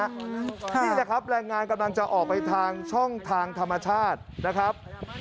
นี่แหละครับแรงงานกำลังจะออกไปทางช่องทางธรรมชาตินะครับ